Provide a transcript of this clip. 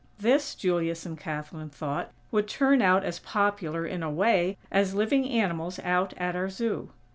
This, Julius and Kathlyn thought, would turn out as popular, in a way, as living animals out at our Zoo.